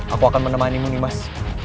aku akan menemani mu nih mas